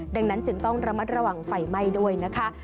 ดังนั้นจึงต้องระมัดระวังไฟไหม้ด้วยนะคะ